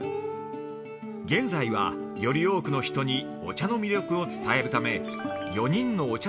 現在は、より多くの人にお茶の魅力を伝えるため４人のお茶